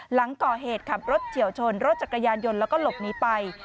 หลังก่อเหตุขับรถเฉียวชนรถจักรยานยนต์แล้วก็หลบหนีไป